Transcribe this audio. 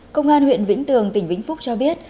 công an huyện vĩnh tường tỉnh vĩnh phúc cho biết